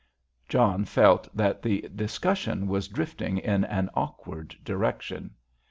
John felt that the discussion was drifting in an awkward direction.